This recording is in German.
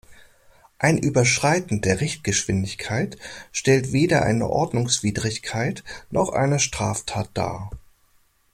Ein Überschreiten der Richtgeschwindigkeit stellt weder eine Ordnungswidrigkeit noch eine Straftat dar.